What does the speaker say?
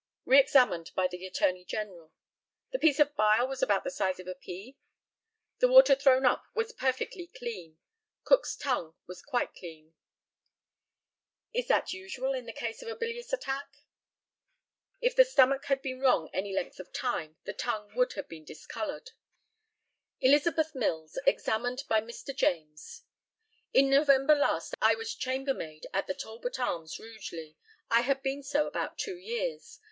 Re examined by the ATTORNEY GENERAL: The piece of bile was about the size of a pea? The water thrown up was perfectly clean. Cook's tongue was quite clean. Is that usual in the case of a bilious attack? If the stomach had been wrong any length of time the tongue would have been discoloured. ELIZABETH MILLS examined by Mr. JAMES: In November last I was chambermaid at the Talbot Arms, Rugeley. I had been so about two years.